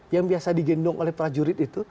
yang biasa digendong oleh prajurit itu